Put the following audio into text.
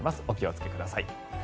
お気をつけください。